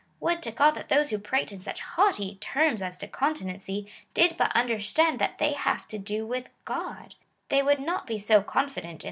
Would to God that those who prate in such haughty terms as to continency, did but understand that they have to do with God I They would riot be so confident in their contendino:s with us.